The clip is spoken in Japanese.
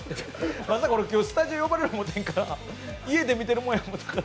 まさか今日スタジオに呼ばれると思ってなかったから家で見てるもんだと思ったから。